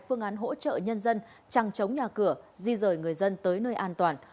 phương án hỗ trợ nhân dân trăng chống nhà cửa di rời người dân tới nơi an toàn